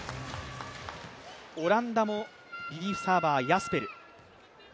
オランダもリリーフサーバー、ヤスペル。